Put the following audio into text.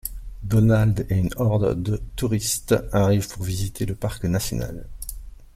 Donald et une horde de touristes arrivent pour visiter le parc national.